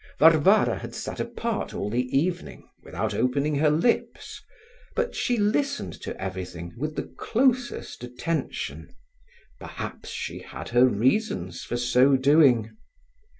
Varvara had sat apart all the evening without opening her lips, but she listened to everything with the closest attention; perhaps she had her reasons for so doing.